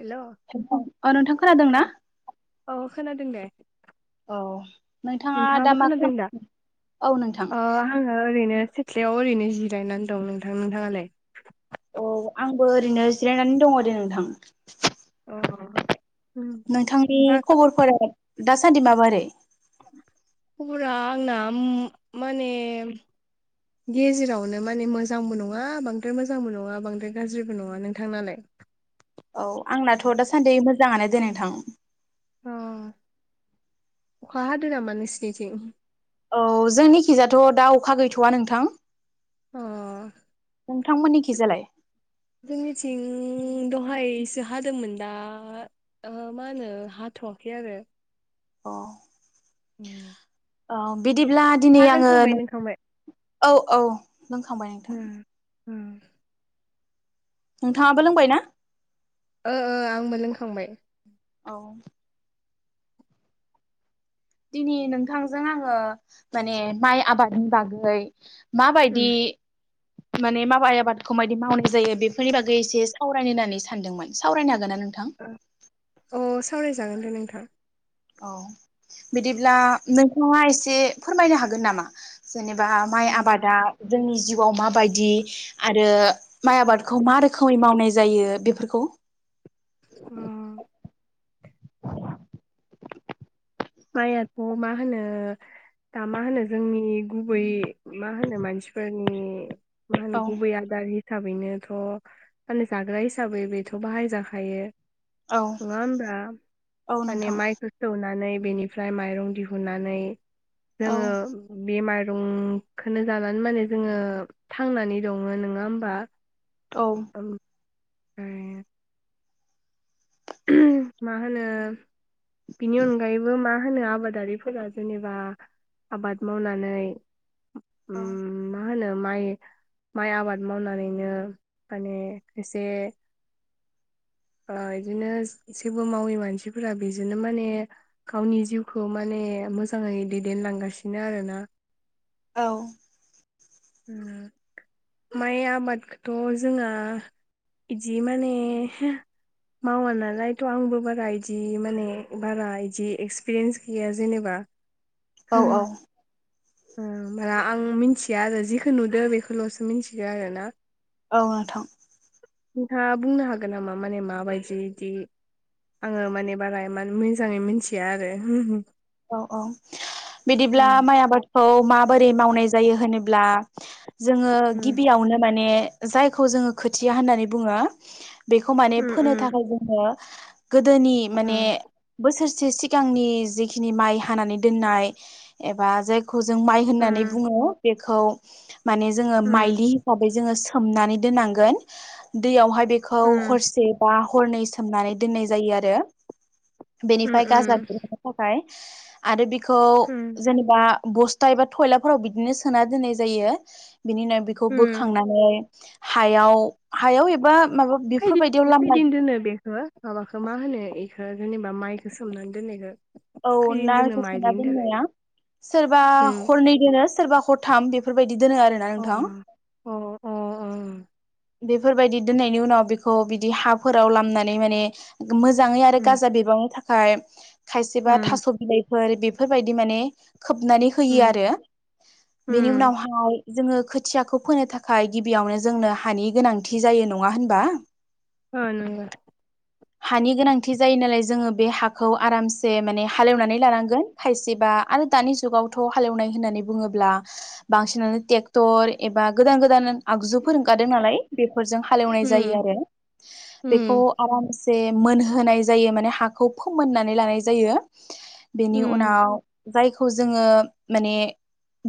Hello [unintelligible] अ नोंथां औ खोनादोंना? औ खोनादों दे। औ नोंथाङा दा नोंथाङाबो मा खोनादों दा खालाम औ नोंथां ओ आङो ओरैनो सेथ्लायाव ओरैनो जिरायनानै दं नोंथां नोंथाङालाय? अ आंबो ओरैनो जिरायनानै दङ दे नोंथां। अ उम नोंथांनि खबरफोरा दासान्दि माबारै? खबरा आंना माने गेजेरावनो माने मोजांबो नङा बांद्राय मोजांबो नङा बांद्राय गाज्रिबो नङा नोंथांनालाय? औ आंनाथ' दासान्दै मो जाङानो दे नोंथां। अ अखा हादों नामा नोंसिनिथिं? औ जोंनिखिजाथ' दा अखा गैथ'आ नोंथां। अ नोंथांमोननिखि जालाय जोंनिथिं दहायसो हादोंमोन दा ओ मा होनो हाथ'वाखै आरो अ उम औ बिदिब्ला दिनै आङो नों नोंखांबाय? औ औ लोंखांबाय नोंथां। उम उम नोंथाङाबो लोंबाय ना? ओ ओ आंबो लोंखांबाय। औ दिनै नोंथांजों आङो माने माइ आबादनि बागै माबायदि माने माबाय आबादखौ मायदि मावनाय जायो? बेफोरनि बागै एसे सा रायनो होन्नानै सानदोंमोन सावरायनो हा ओ अ' सावराय जागोन दे नोंथां। औ। बिदिब्ला नोंथाङा ए से फोरमायनो हागोन नामा? जेनेबा माइ आबादा, जोंनि जिउ आव माबायदि आरो माइ आबादखौ मा रोखोमै मावनाय जायो बेफोरखौ उम माइयाथ' मा होनो दा मा होनो जोंनि गुबै मा होनो मानसिफोरनि मा होनो औ गुबै आदारि हिसाबैनोथ' [unintelligible] जाग्रा हिसाबै बेथ' बाहायजाखायो। औ नङा होम्बा औ माने नोंथां माइखौ सौनानै बेनिफ्राय माइरं दिहुननानै औ जोङो बेमार रंखोनो जानानै माने जोङो थांनानै दङो नोङा होमबा औ [unintelligible] उमहम मा होनो बिनि अनगायैबो मा होनो आबादारिफोरा जेनेबा आबाद मावनानै औ उम मा होनो माइ माइ आबाद मावनानैनो माने एसे ओ इदिनोस जेबो मावै मानसिफोरा बेजोनो माने गावनि जिउखौ माने मोजांङै दैदेनलांगासिनो आरोना औ उम माइ आबादखोथ' जोंआ इदि माने हो मावा नालायथ' आंबो बारा इदि माने बारा इदि एक्सपिरियेन्स गैया जेनेबा औ औ ओ होनबोला आं मिन्थिया आरो जिखो नुदो बेखौल'सो मिन्थिगो आरो ना औ नोंथां। नोंथाङा बुंनो हागोन नामा माने माबायदि इदि आङो माने बारा इमान मोजाङै मिन्थिया आरो होहो औ अ बिदिब्ला माइ आबाद खौ माबोरै मावनाय जायो होनोब्ला जोङो उम गिबियावनो माने जायखौ जोङो खोथिया होननानै बुङो। बेखौ माने फोनो उम थाखाय जोंनो गोदोनि माने उम बोसोरस से सिगांनि जिख खिनि माइ हानानै दोननाय एबा जाय खौ जों माइ होननानै उम बुङो। बेखौ माने जोङो उम माइलि हिफाबै जोङो सोमनानै दोननांगोन दैयावहाय बेखौ उम हरसे बा हरनै स सोमनानै दोननाय जायो आरो उम बेनिफ्राय गाजा बेरनो थाख फाय आरो बेख खौ उम जेनेबा अ बस्था एबा थयलाफोराव बिदिनो सोना दोननाय जायो। बिनिनो बेखौ उम बोखांनानै हायाव हायाव एबा माबा खैदिन बेफोरबायदियाव नो लामना खैदिन दोनो बेखो माबाखो मा होनो एख ओ जेनेबा माइखो सोमनानै दोननायखो औ नारखो सोमना दोननाया सोरबा उम हरनै दोनोस सोरबा हरथाम बेफोरबायदि। दि दोनो आरो ना अ नोंथां। अ अ बेफोरबायदि दोननायनि उनाव बेखौ बिदि हाफोराव लामनानै माने गो मोजाङै आरो गाजा बिबांनि थाख फाय दिबा थास' बिलाइ फोर बेफोरबायदि माने खोबनानै होयो आरो बेनि उनावहाय जोङो खोथियाखौ फोनो थाखाय गिबियावनो जोंनो हानि गोनांथि जायो नङा होनबा? ओ नोंगो हानि गोनांथि जायो नालाय जोङो बे हाखौ आरामसे जे माने हालेवनानै लानांगोन खायसेबा आरो दानि जुगावथ' हालेवनाय होननानै बुङोब्ला बांसिनानो टेक्टर एबा गोदान गोदान आगजुफोर ओंखारदों नालाय बेफोरजों हालेवनाय जायो आरो बेखौ आरामसे। जे मोनहोनाय जायो माने हाखौ फोमोननानै लानाय जायो। जायो। बेनि उनाव जायखौ जोङो माने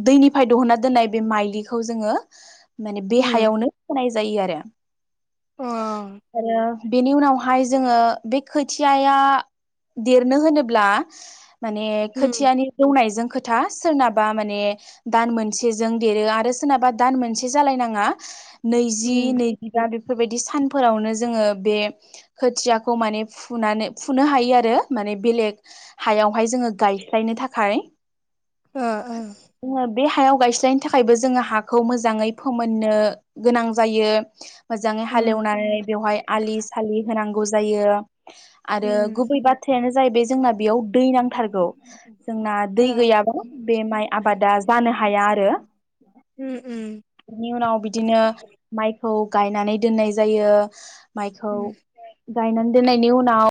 दैनिफ्राय दहना दोननाय बे माइलिखौ जोङो माने बे हायावनो होनाय जायो आरो आरो बेनि उनावहाय जोङो बे खोथियाया देर नो होनोब्ला माने खोथियानि जौनायजों खोथा सोरनाबा माने दान मोनसेजों देरो आरो सोरनाबा दान मोनसे जालायनाङा। नैजि नैजिबा बेफोरबायदि सानफोरावनो जोङो बे खोथियाखौ माने फुनानै फुनो हायो आरो। माने बेलेग हायावहाय जोङो गायस्लायनो थाखाय फाय ओ ओ बे हायाव गायस्लायनो थाखायबो जोङो हाखौ मोजाङै फोमोननो गोनां जायो। मोजाङै हालेवनानै बेवहाय आलि सालि होनांगौ। जायो आरो गुबै बाथ खोथायानो जाहैबाय जोंना बेयाव दै नांथारगौ जोंना दै गैयाबा बे माइ आबादा जानो हाया आरो बेनि उनाव बिदिनो माइखौ गायनानै दोननाय जायो माइखौ गायनानै दोननायनि उनाव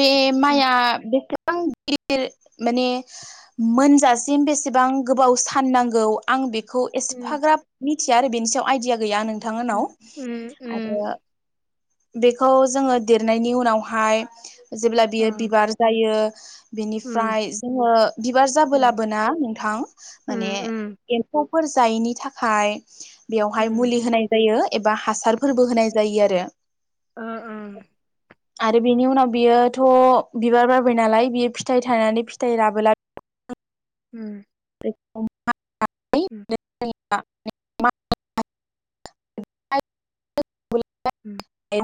बे माया [unintelligible] [unintelligible] गिदिर माने मोनजासिम बेसेबां गोबाव सान नांगौ आं बे खौ एसेफाग्राब [unintelligible] बेनि सायाव आइडिया गैया नों थां [unintelligible] आरो बेखौ जोङो देरनायनि उनावहाय जो बियो बिबार जायो बिनिफ्राय जोङो बिबार जाबोलाबोना नोंथां माने एम्फौ फोर जायैनि थाखाय बेवहाय मुलि होनाय जायो। एबा हासारफोरबो होनाय जायो आरो। उम उम आरो बेनि उनाव बियो थ' बिबार बारबाय नालाय बियो फिथाइ थायनानै फिथाइ राबोला उम [inaudible] उम [inaudible] उम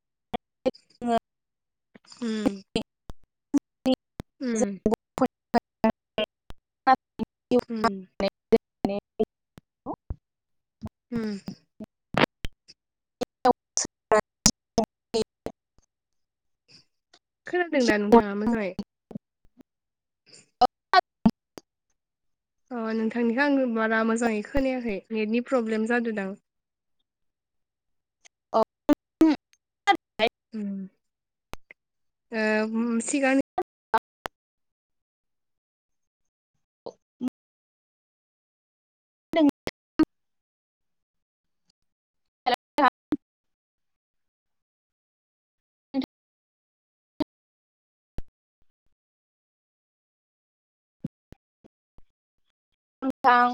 [inaudible] उम उम [inaudible] उम उम खोनादों ना नोंथाङा मोजाङै? [inaudible] अ नोंथांनिखौ आङो बारा मोजाङै खोनायाखै नेतनि प्रब्लेम जादोदां। अ [inaudible] उम ओ बुहुत सिगांनि [inaudible] [inaudible] [inaudible] नोंथां